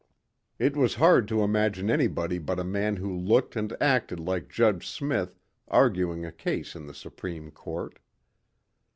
It was hard to imagine anybody but a man who looked and acted like Judge Smith arguing a case in the Supreme Court.